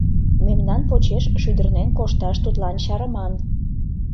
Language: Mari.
Мемнан почеш шӱдырнен кошташ тудлан чарыман!